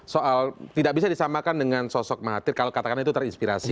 soal tidak bisa disamakan dengan sosok mahathir kalau katakan itu terinspirasi